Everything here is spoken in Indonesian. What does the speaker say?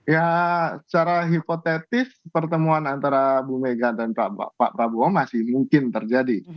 ya secara hipotetis pertemuan antara bu mega dan pak prabowo masih mungkin terjadi